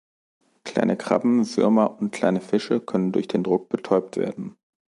Kleine Krabben, Würmer und kleine Fische können durch den Druck betäubt werden.